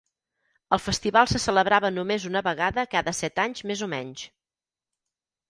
El festival se celebrava només una vegada cada set anys més o menys.